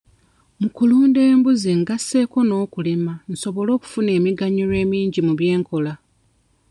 Mu kulunda embuzi ngasseeko n'okulima nsobole okufuna emiganyulo mingi mu by'enkola.